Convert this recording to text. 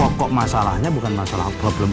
pokok masalahnya bukan masalah problem